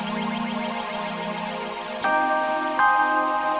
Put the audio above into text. untuk dapat menghadapi segala cobaanmu